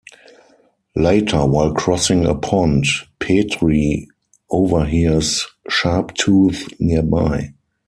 Later, while crossing a pond, Petrie overhears Sharptooth nearby.